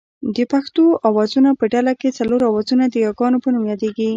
د پښتو آوازونو په ډله کې څلور آوازونه د یاګانو په نوم یادېږي